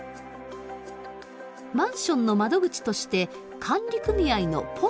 マンションの窓口として管理組合のポストを設置します。